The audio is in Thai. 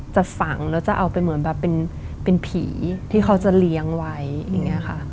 จะฝังแล้วจะเอาไปเหมือนแบบเป็นผีที่เขาจะเลี้ยงไว้อย่างนี้ค่ะ